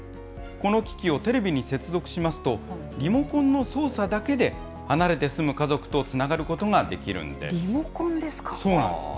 この機器をテレビに接続しますと、リモコンの操作だけで離れて住む家族とつながることができるんでリモコンですか。